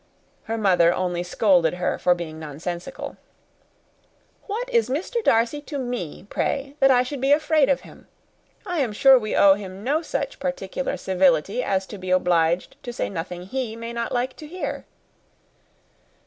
Her mother only scolded her for being nonsensical. "What is Mr. Darcy to me, pray, that I should be afraid of him? I am sure we owe him no such particular civility as to be obliged to say nothing he may not like to hear."